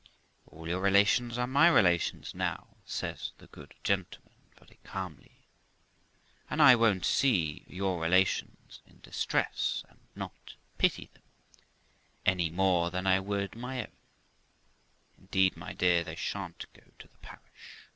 'All your relations are my relations now', says the good gentleman very calmly, 'and I won't see your relations in distress, and not pity them, any more than I would my own; indeed, my dear, they shan't go to the parish.